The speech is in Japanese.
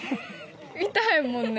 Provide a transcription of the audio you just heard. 痛いもんね。